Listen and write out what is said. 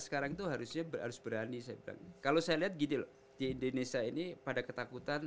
sekarang itu harusnya harus berani saya bilang kalau saya lihat gini di indonesia ini pada ketakutan